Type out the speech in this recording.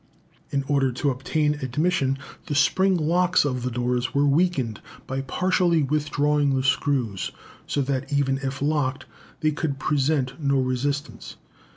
In order to obtain admission, the spring locks of the doors were weakened by partially withdrawing the screws; so that, even if locked, they could present no resistance.